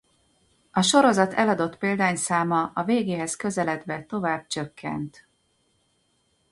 A sorozat eladott példányszáma a végéhez közeledve tovább csökkent.